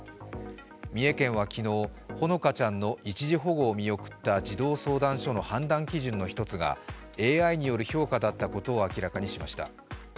三重県は昨日、ほのかちゃんの一時保護を見送った児童相談所の判断基準の１つがＡＩによる評価だったことを明らかにしました。